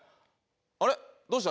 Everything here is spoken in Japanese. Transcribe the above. あれどうした？